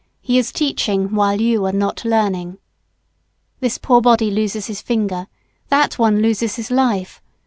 He is teaching while you are not learning. This poor body loses his finger, that one loses his life.